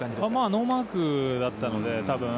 ノーマークだったので、多分。